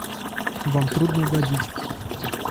Вам трудно угодить.